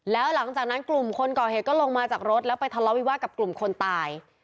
แล้วหลังจากนั้นกลุ่มคนก่อเหตุก็ลงมาจากรถแล้วไปทะเลาวิวาสกับกลุ่มคนตาย